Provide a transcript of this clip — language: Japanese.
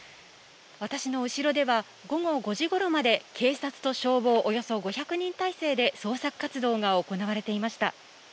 私の後ろでは、午後５時ごろまで、警察と消防およそ５００人態勢で捜索活動が行われていました。